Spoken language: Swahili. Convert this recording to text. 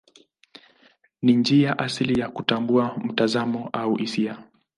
Ni njia asili ya kutambua mtazamo au hisia.